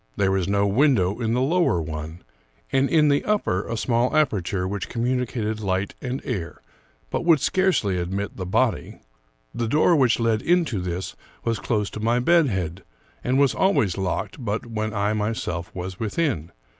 There was no window in the lower one, and in the upper a small aperture which communicated light and air, but would scarcely admit the body. The door which led into this was close to my bed head, and was always locked but when I myself was within.